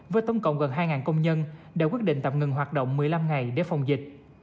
với tổng cộng gần hai công nhân đã quyết định tạm ngừng hoạt động một mươi năm ngày để phòng dịch